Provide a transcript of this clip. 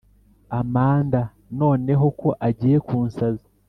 amanda noneho ko agiye kunsaza,